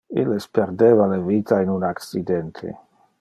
Illes perdeva le vita in un accidente.